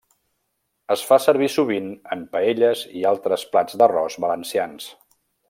Es fa servir sovint en paelles i altres plats d'arròs valencians.